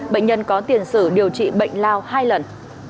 bệnh nhân có tiền sử điều trị bệnh lao hai lần